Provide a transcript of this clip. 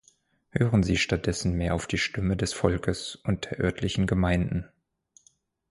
Hören Sie stattdessen mehr auf die Stimme des Volkes und der örtlichen Gemeinden!